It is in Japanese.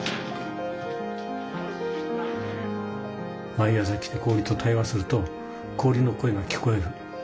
毎朝来て氷と対話すると氷の声が聞こえる。